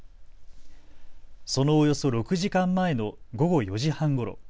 そのおよそ６時間前の午後４時半ごろ。